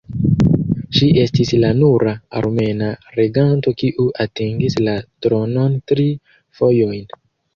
Ŝi estis la nura armena reganto kiu atingis la tronon tri fojojn.